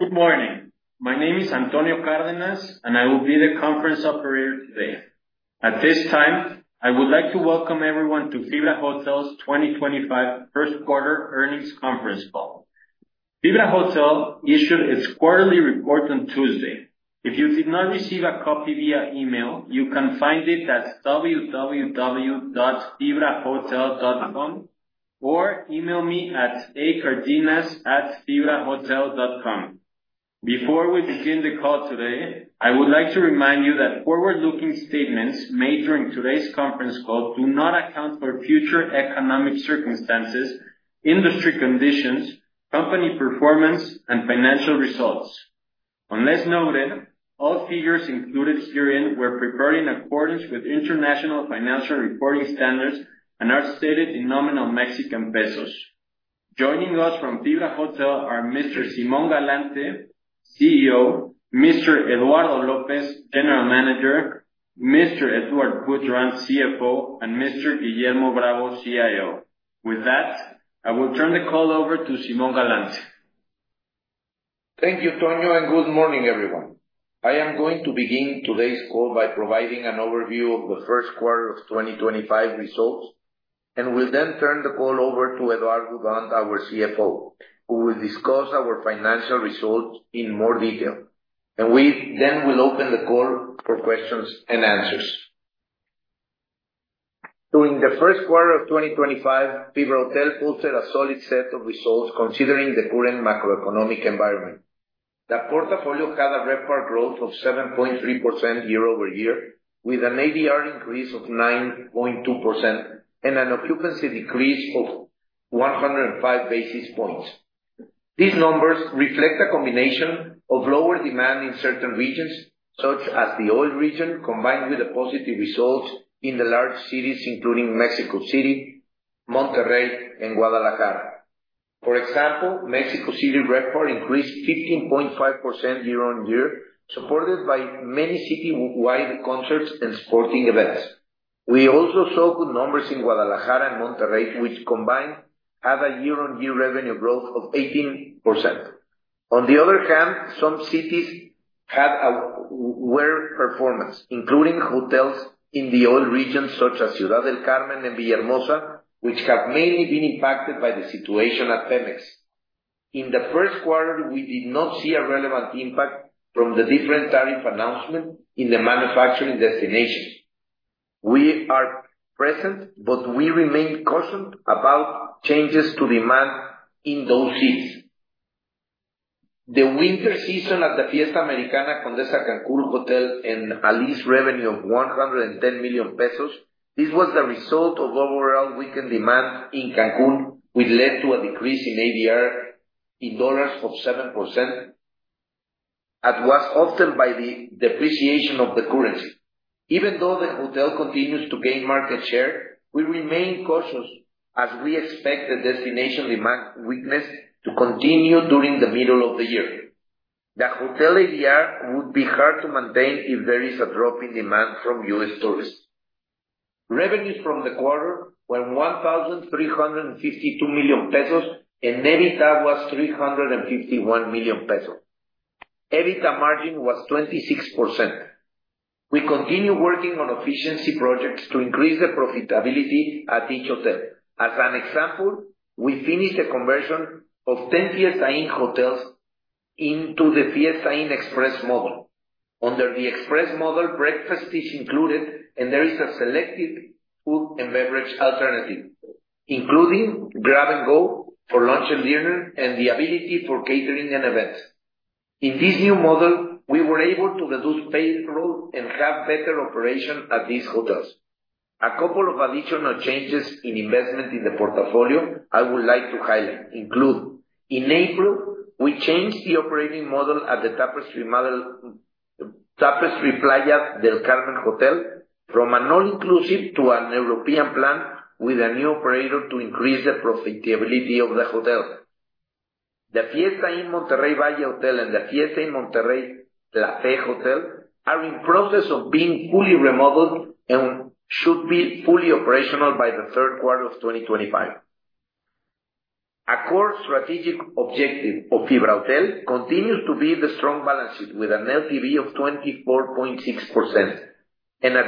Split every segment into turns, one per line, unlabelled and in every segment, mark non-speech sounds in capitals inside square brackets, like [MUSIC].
Good morning. My name is Antonio Cárdenas, and I will be the conference operator today. At this time, I would like to welcome everyone to FibraHotel's 2025 First Quarter Earnings Conference Call. FibraHotel issued its quarterly report on Tuesday. If you did not receive a copy via email, you can find it at www.fibraHotel.com or email me at a.cardenas@fibraHotel.com. Before we begin the call today, I would like to remind you that forward-looking statements made during today's conference call do not account for future economic circumstances, industry conditions, company performance, and financial results. Unless noted, all figures included herein were prepared in accordance with international financial reporting standards and are stated in nominal Mexican pesos. Joining us from FibraHotel are Mr. Simón Galante, CEO; Mr. Eduardo López, General Manager; Mr. Edouard Boudrant, CFO; and Mr. Guillermo Bravo, CIO. With that, I will turn the call over to Simón Galante.
Thank you, Tonio, and good morning, everyone. I am going to begin today's call by providing an overview of the first quarter of 2025 results, and we will then turn the call over to Edouard Boudrant, our CFO, who will discuss our financial results in more detail. We then will open the call for questions and answers. During the first quarter of 2025, FibraHotel posted a solid set of results considering the current macroeconomic environment. The portfolio had a record growth of 7.3% year over year, with an ADR increase of 9.2% and an occupancy decrease of 105 basis points. These numbers reflect a combination of lower demand in certain regions, such as the oil region, combined with positive results in the large cities, including Mexico City, Monterrey, and Guadalajara. For example, Mexico City record increased 15.5% year on year, supported by many city-wide concerts and sporting events. We also saw good numbers in Guadalajara and Monterrey, which combined had a year-on-year revenue growth of 18%. On the other hand, some cities had a worse performance, including hotels in the oil region, such as Ciudad del Carmen and Villahermosa, which have mainly been impacted by the situation at Pemex. In the first quarter, we did not see a relevant impact from the different tariff announcements in the manufacturing destinations. We are present, but we remain cautioned about changes to demand in those cities. The winter season at the Fiesta Americana Condesa Cancún Hotel had a lease revenue of 110 million pesos, this was the result of overall weekend demand in Cancún, which led to a decrease in ADR in dollars of 7%. It was often by the depreciation of the currency. Even though the hotel continues to gain market share, we remain cautious as we expect the destination demand weakness to continue during the middle of the year. The hotel ADR would be hard to maintain if there is a drop in demand from U.S. tourists. Revenues from the quarter were 1,352 million pesos, and EBITDA was 351 million pesos. EBITDA margin was 26%. We continue working on efficiency projects to increase the profitability at each hotel. As an example, we finished the conversion of 10 Fiesta Inn hotels into the Fiesta Inn Express model. Under the Express model, breakfast is included, and there is a selective food and beverage alternative, including grab-and-go for lunch and dinner and the ability for catering and events. In this new model, we were able to reduce payroll and have better operation at these hotels. A couple of additional changes in investment in the portfolio I would like to highlight include: in April, we changed the operating model at the Tapestry Playa del Carmen Hotel from a non-inclusive to a European plan with a new operator to increase the profitability of the hotel. The Fiesta Inn Monterrey Valle Hotel and the Fiesta Inn Monterrey Plate Hotel are in process of being fully remodeled and should be fully operational by the third quarter of 2025. A core strategic objective of FibraHotel continues to be the strong balance sheet with an LTV of 24.6% and a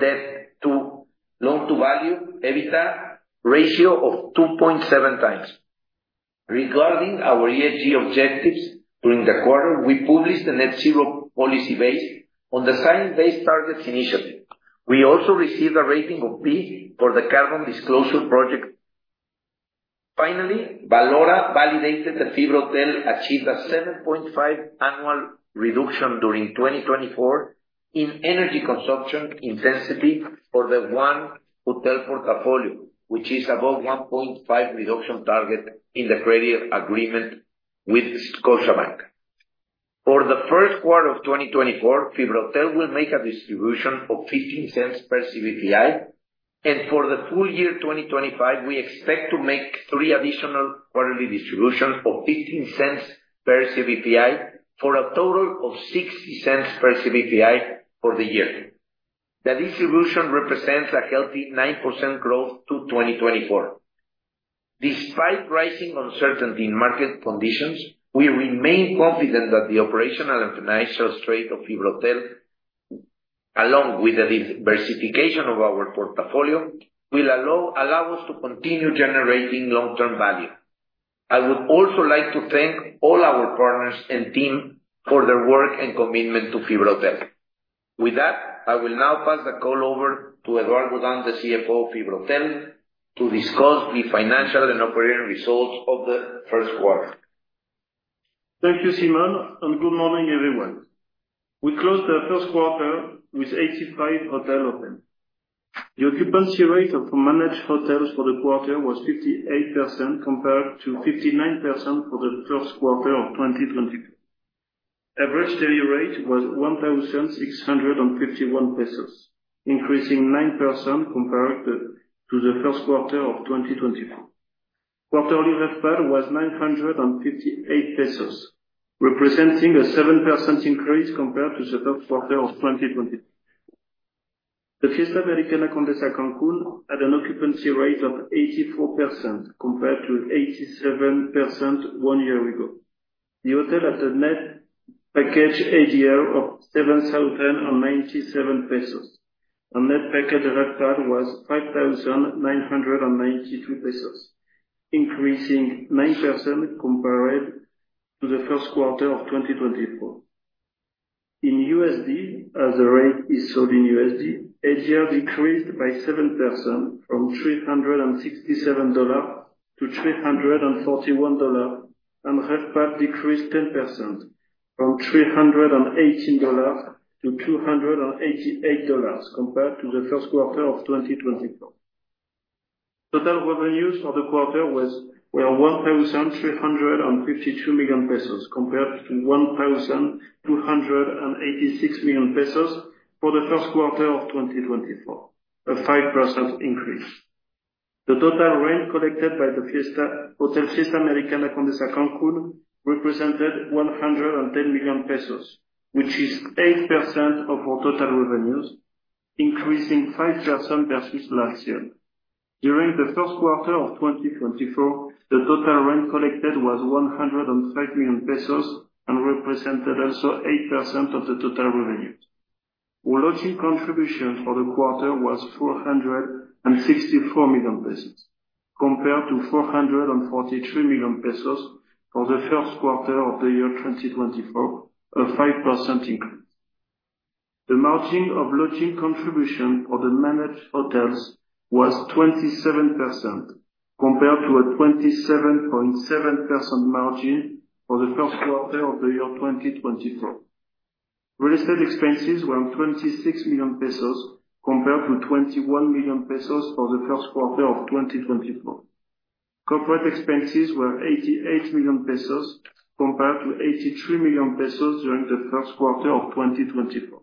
debt-to-EBITDA ratio of 2.7 times. Regarding our ESG objectives during the quarter, we published the net-zero policy based on the Science-based Targets Initiative. We also received a rating of B for the Carbon Disclosure Project. Finally, Valora validated that FibraHotel achieved a 7.5% annual reduction during 2024 in energy consumption intensity for the one hotel portfolio, which is above the 1.5% reduction target in the credit agreement with Scotiabank. For the first quarter of 2024, FibraHotel will make a distribution of 0.15 per CBPI, and for the full year 2025, we expect to make three additional quarterly distributions of 0.15 per CBPI for a total of 0.60 per CBPI for the year. The distribution represents a healthy 9% growth to 2024. Despite rising uncertainty in market conditions, we remain confident that the operational and financial strength of FibraHotel, along with the diversification of our portfolio, will allow us to continue generating long-term value. I would also like to thank all our partners and team for their work and commitment to FibraHotel. With that, I will now pass the call over to Edouard Boudrant, CFO of FibraHotel, to discuss the financial and operating results of the first quarter.
Thank you, Simón, and good morning, everyone. We closed the first quarter with 85 hotel openings. The occupancy rate of managed hotels for the quarter was 58% compared to 59% for the first quarter of 2022. Average daily rate was 1,651 pesos, increasing 9% compared to the first quarter of 2022. Quarterly RevPAR was 958 pesos, representing a 7% increase compared to the first quarter of 2022. The Fiesta Americana Condesa Cancún had an occupancy rate of 84% compared to 87% one year ago. The hotel had a net package ADR of MXN 7,097. The net package RevPAR was 5,992 pesos, increasing 9% compared to the first quarter of 2024. In USD, as the rate is sold in USD, ADR decreased by 7% from $367 to $341, and RevPAR decreased 10% from $318 to $288 compared to the first quarter of 2024. Total revenues for the quarter were 1,352 million pesos compared to 1,286 million pesos for the first quarter of 2024, a 5% increase. The total rent collected by the Fiesta Americana Condesa Cancún represented 110 million pesos, which is 8% of our total revenues, increasing 5% versus last year. During the first quarter of 2024, the total rent collected was 105 million pesos and represented also 8% of the total revenues. Our lodging contribution for the quarter was 464 million pesos, compared to 443 million pesos for the first quarter of the year 2024, a 5% increase. The margin of lodging contribution for the managed hotels was 27%, compared to a 27.7% margin for the first quarter of the year 2024. Real estate expenses were 26 million pesos, compared to 21 million pesos for the first quarter of 2024. Corporate expenses were 88 million pesos, compared to 83 million pesos during the first quarter of 2024.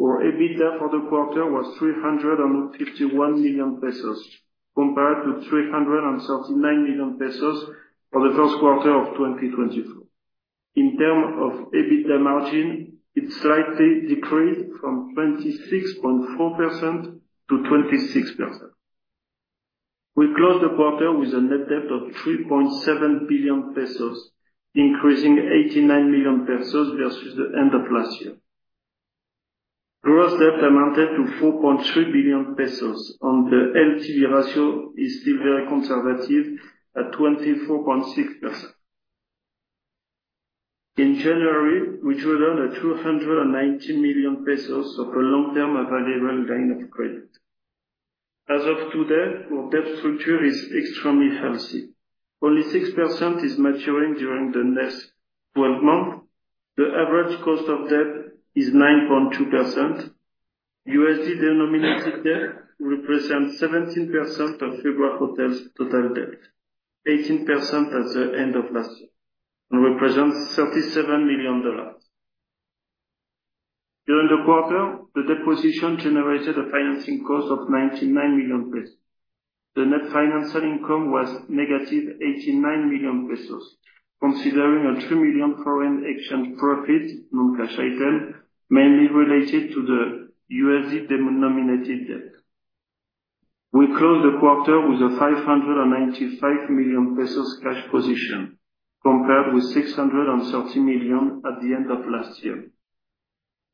Our EBITDA for the quarter was 351 million pesos, compared to 339 million pesos for the first quarter of 2024. In terms of EBITDA margin, it slightly decreased from 26.4% to 26%. We closed the quarter with a net debt of 3.7 billion pesos, increasing 89 million pesos versus the end of last year. Gross debt amounted to 4.3 billion pesos, and the LTV ratio is still very conservative, at 24.6%. In January, we drew down 219 million pesos of a long-term available line of credit. As of today, our debt structure is extremely healthy. Only 6% is maturing during the next 12 months. The average cost of debt is 9.2%. USD-denominated debt represents 17% of FibraHotel's total debt, 18% at the end of last year, and represents $37 million. During the quarter, the position generated a financing cost of 99 million pesos. The net financial income was negative 89 million pesos, considering a 3 million foreign exchange profit, non-cash item, mainly related to the USD-denominated debt. We closed the quarter with a 595 million pesos cash position, compared with 630 million at the end of last year.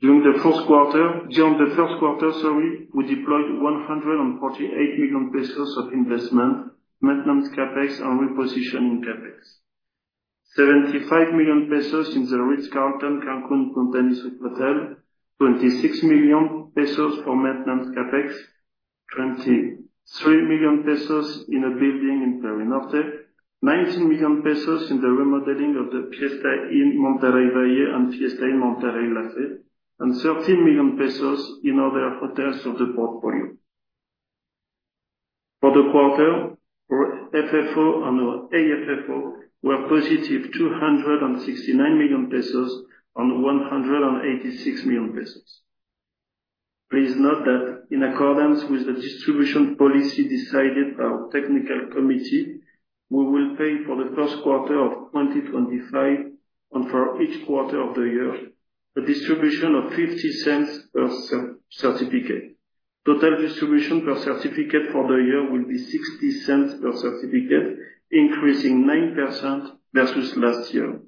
During the first quarter, sorry, we deployed 148 million pesos of investment, maintenance Capex, and repositioning Capex. 75 million pesos in the Ritz-Carlton Cancún Punta Nizuc Hotel, 26 million pesos for maintenance Capex, 23 million pesos in a building in Perinorte, 19 million pesos in the remodeling of the Fiesta Inn Monterrey Valle and Fiesta Inn Monterrey La Fe, and 13 million pesos in other hotels of the portfolio. For the quarter, our FFO and our AFFO were positive 269 million pesos and 186 million pesos. Please note that in accordance with the distribution policy decided by our technical committee, we will pay for the first quarter of 2025 and for each quarter of the year a distribution of 0.50 per certificate. Total distribution per certificate for the year will be 0.60 per certificate, increasing 9% versus last year.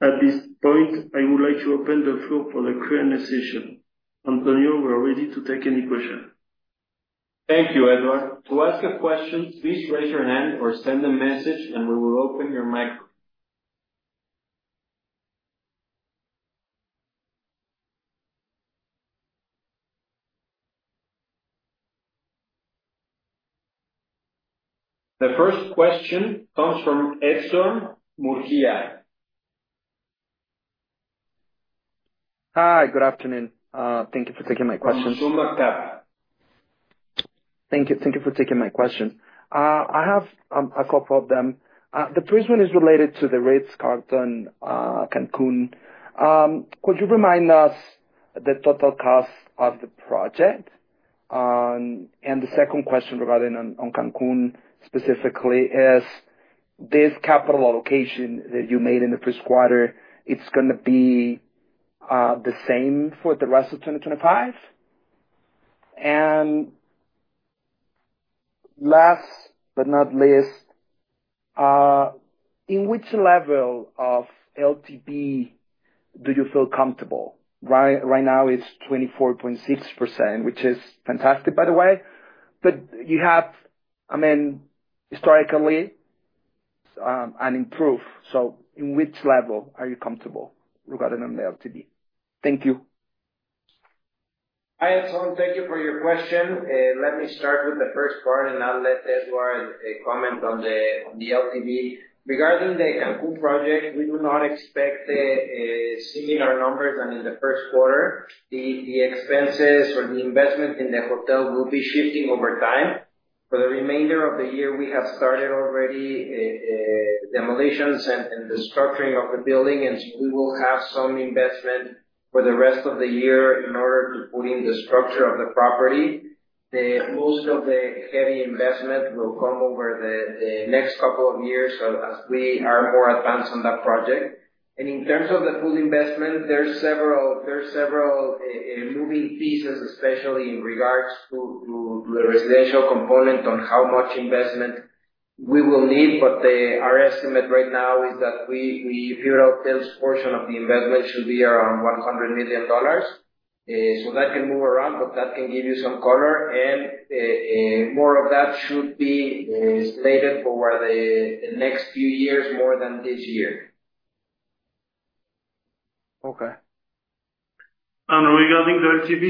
At this point, I would like to open the floor for the Q&A session. Antonio, we are ready to take any questions.
Thank you, Eduardo. To ask a question, please raise your hand or send a message, and we will open your microphone. The first question comes from Edson Murguia.
Hi, good afternoon. Thank you for taking my question.
Edson Murguia.
Thank you. Thank you for taking my question. I have a couple of them. The first one is related to the Ritz-Carlton Cancún. Could you remind us the total cost of the project? The second question regarding Cancún specifically is this capital allocation that you made in the first quarter, it's going to be the same for the rest of 2025? Last but not least, in which level of LTV do you feel comfortable? Right now, it's 24.6%, which is fantastic, by the way. You have, I mean, historically. And improve. In which level are you comfortable regarding the LTV? Thank you.
Hi, Edson. Thank you for your question. Let me start with the first part and I'll let Eduardo comment on the LTV. Regarding the Cancún project, we do not expect similar numbers than in the first quarter. The expenses or the investment in the hotel will be shifting over time. For the remainder of the year, we have started already demolitions and the structuring of the building, and we will have some investment for the rest of the year in order to put in the structure of the property. Most of the heavy investment will come over the next couple of years as we are more advanced on that project. In terms of the full investment, there are several moving pieces, especially in regards to the residential component on how much investment we will need. Our estimate right now is that FibraHotel's portion of the investment should be around $100 million. That can move around, but that can give you some color. More of that should be slated for the next few years more than this year.
Okay. Regarding the LTV,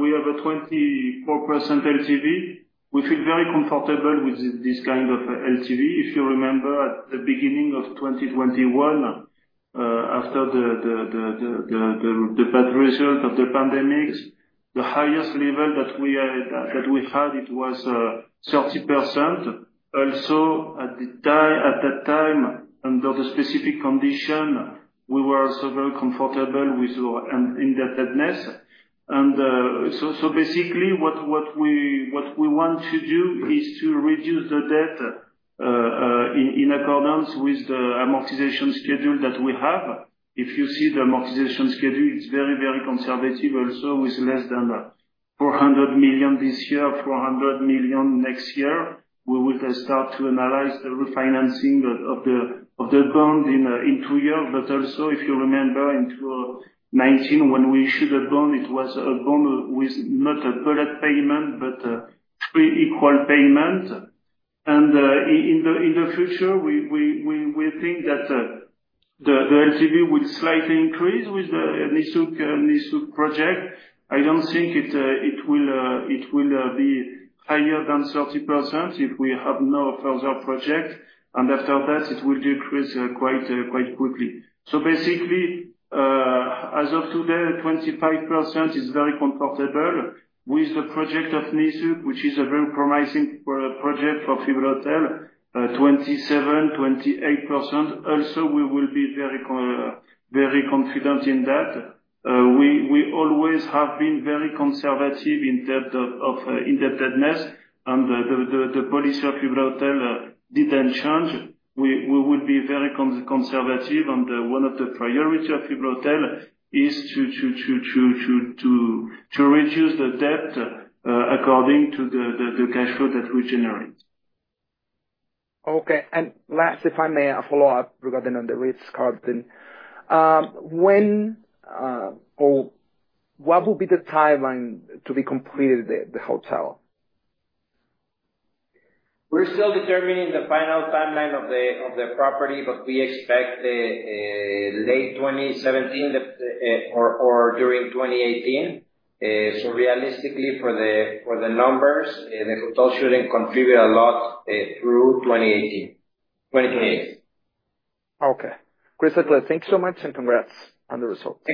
we have a 24% LTV. We feel very comfortable with this kind of LTV. If you remember, at the beginning of 2021, after the bad result of the pandemic, the highest level that we had was 30%. Also, at that time, under the specific condition, we were also very comfortable with our indebtedness. What we want to do is to reduce the debt in accordance with the amortization schedule that we have. If you see the amortization schedule, it is very, very conservative also, with less than 400 million this year, 400 million next year. We will start to analyze the refinancing of the bond in two years. If you remember, in 2019, when we issued the bond, it was a bond with not a bullet payment, but three equal payments. In the future, we think that the LTV will slightly increase with the Nizuc project. I do not think it will be higher than 30% if we have no further project. After that, it will decrease quite quickly. Basically, as of today, 25% is very comfortable with the project of Nizuc, which is a very promising project for FibraHotel, 27-28%. Also, we will be very confident in that. We always have been very conservative in terms of indebtedness, and the policy of FibraHotel did not change. We will be very conservative, and one of the priorities of FibraHotel is to reduce the debt according to the cash flow that we generate.
Okay. Last, if I may, a follow-up regarding the Ritz-Carlton. What will be the timeline to be completed the hotel?
We're still determining the final timeline of the property, but we expect late 2017 or during 2018. Realistically, for the numbers, the hotel shouldn't contribute a lot through 2018, 2028.
Okay. [INAUDIBLE] thank you so much, and congrats on the results.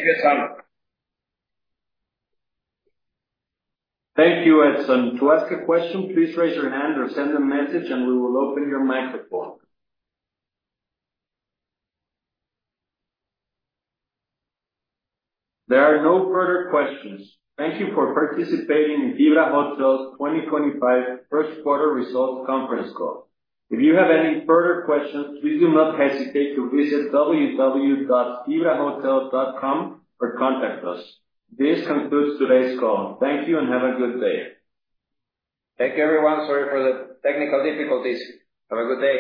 Thank you, Edson. To ask a question, please raise your hand or send a message, and we will open your microphone. There are no further questions. Thank you for participating in FibraHotel's 2025 first quarter results conference call. If you have any further questions, please do not hesitate to visit www.fibrahotel.com or contact us. This concludes today's call. Thank you and have a good day. Thank you, everyone. Sorry for the technical difficulties. Have a good day.